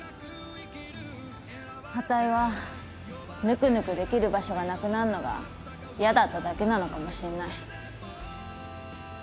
あたいはぬくぬくできる場所がなくなんのが嫌だっただけなのかもしんない。